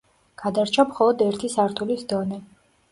გადარჩა მხოლოდ ერთი სართულის დონე.